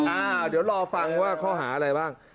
อ่าเดี๋ยวรอฟังว่าข้อหาอะไรบ้าง